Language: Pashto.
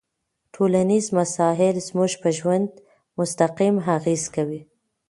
ټولنيز مسایل زموږ په ژوند مستقیم اغېز کوي.